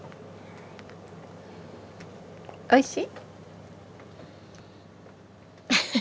おいしい？